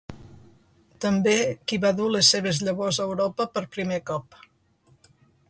També qui va dur les seves llavors a Europa per primer cop.